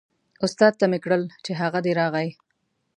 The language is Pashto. استاد ته مې کړل چې هغه دی راغی.